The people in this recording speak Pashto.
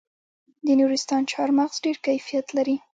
د نورستان چهارمغز ډیر کیفیت لري.